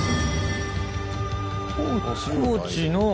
高知の船。